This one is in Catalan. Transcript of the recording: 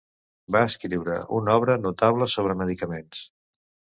Va escriure una obra notable sobre medicaments.